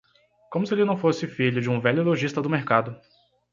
Como se ele não fosse filho de um velho lojista do mercado!